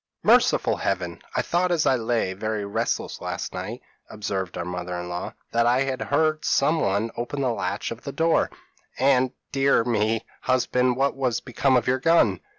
p> "'Merciful Heaven! I thought, as lay very restless last night,' observed our mother in law, 'that I heard somebody open the latch of the door; and, dear me, husband, what has become of your gun?'